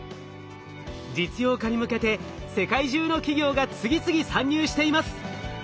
実用化に向けて世界中の企業が次々参入しています。